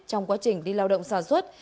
trong quá trình đi lao động sản xuất